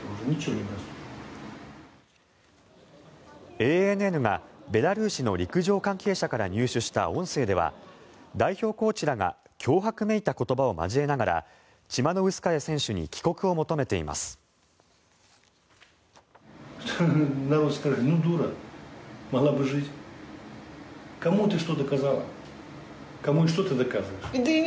ＡＮＮがベラルーシの陸上関係者から入手した音声では代表コーチらが脅迫めいた言葉を交えながらチマノウスカヤ選手に帰国を求めています。